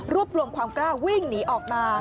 รวมความกล้าวิ่งหนีออกมา